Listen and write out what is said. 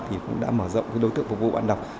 thì cũng đã mở rộng đối tượng phục vụ bạn đọc